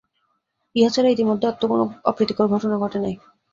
ইহা ছাড়া ইতিমধ্যে আর তো কোনো অপ্রীতিকর ঘটনা ঘটে নাই।